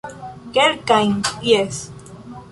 Kelkajn, jes